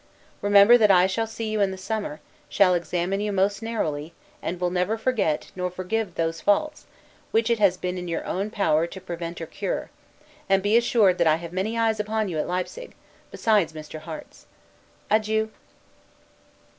Remember that I shall see you in the summer; shall examine you most narrowly; and will never forget nor forgive those faults, which it has been in your own power to prevent or cure; and be assured that I have many eyes upon you at Leipsig, besides Mr. Harte's. Adieu!